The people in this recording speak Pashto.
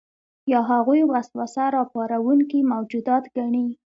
یا هغوی وسوسه راپاروونکي موجودات ګڼي.